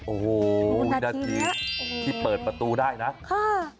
โอ้โหวินาทีที่เปิดประตูได้นะค่ะ